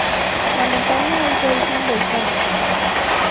La montaña es de origen volcánico.